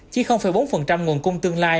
chỉ bốn nguồn cung tương lai